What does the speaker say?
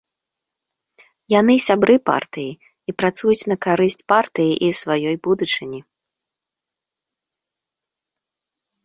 Яны сябры партыі і працуюць на карысць партыі і сваёй будучыні.